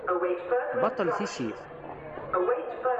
Baṭel tissit?